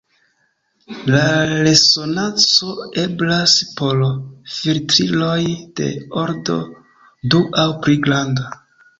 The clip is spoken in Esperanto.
La resonanco eblas por filtriloj de ordo du aŭ pli granda.